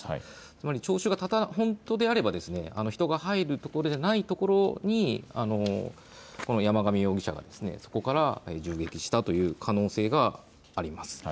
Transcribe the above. つまり聴衆か本当であれば人が入る所ではないところに山上容疑者がそこから銃撃したという可能性があります。